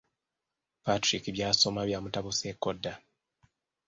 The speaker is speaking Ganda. Patrick by’asoma byamutabuseeko dda.